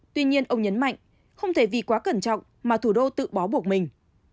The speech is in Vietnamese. tuy nhiên ông nhấn mạnh không thể vì quá cẩn trọng mà thủ đô tự bó buộc mình